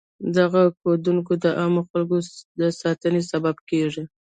دغه کودونه د عامو خلکو د ساتنې سبب کیږي.